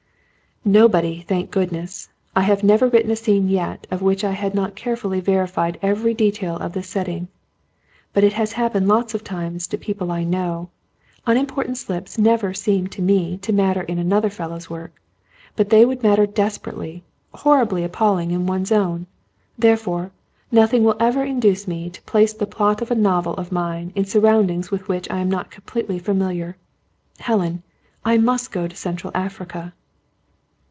"Nobody, thank goodness! I have never written a scene yet, of which I had not carefully verified every detail of the setting. But it has happened lots of times to people I know. Unimportant slips never seem to me to matter in another fellow's work, but they would matter desperately, horribly, appallingly in one's own. Therefore, nothing will ever induce me to place the plot of a novel of mine, in surroundings with which I am not completely familiar. Helen I must go to Central Africa."